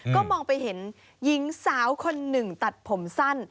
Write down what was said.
ก็มองไปเห็นหญิงสาวคนหนึ่งตัดผมสั้น